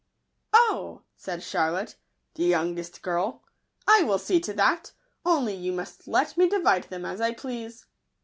u Oh," said Charlotte, the youngest girl, " I will see to that ; only you must let me divide them as I please."